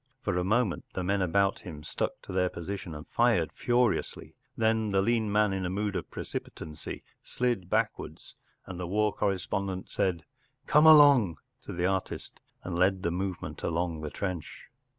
For a moment the men about him stuck to their position and fired furiously. Then the lean man in a mood of precipitancy slid backwards, and the war correspondent said Come along ” to the artist, and led the movement along the trench.